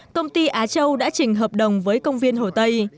công ty á châu đã chỉnh hợp đồng với công viên hồ tây